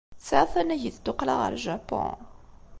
Tesɛiḍ tanagit n tuqqla ɣer Japun?